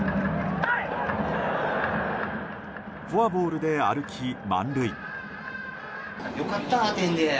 フォアボールで歩き、満塁。